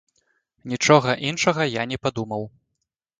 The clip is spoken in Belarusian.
Нічога іншага я не падумаў.